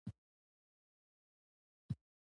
جګړه خلک یو د بل پر ضد راپاروي